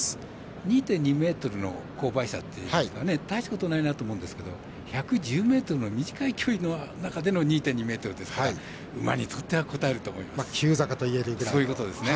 ２．２ｍの勾配差って大したことないなと思うんですけど１１０ｍの短い距離の中の２．２ｍですから馬にとったらこたえると思います。